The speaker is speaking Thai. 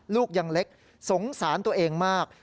ลูกยังเล็กสงสารตัวเองมาก